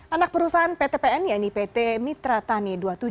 anak perusahaan ptpn yni pt mitra tani dua puluh tujuh